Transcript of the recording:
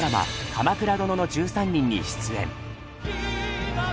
「鎌倉殿の１３人」に出演。